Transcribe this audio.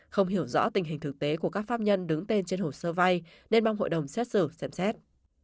không hiểu rõ tình hình thực tế của các pháp nhân đứng tên trên hồ sơ vay nên mong hội đồng xét xử xem xét